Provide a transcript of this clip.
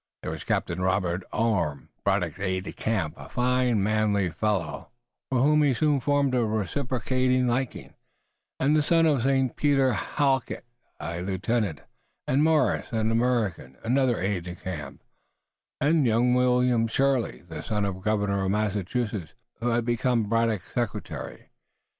There was Captain Robert Orme, Braddock's aide de camp, a fine manly fellow, for whom he soon formed a reciprocal liking, and the son of Sir Peter Halket, a lieutenant, and Morris, an American, another aide de camp, and young William Shirley, the son of the governor of Massachusetts, who had become Braddock's secretary.